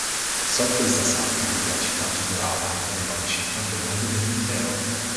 Sotto i Sasanidi la città figurava tra i dodici capoluoghi dell'impero.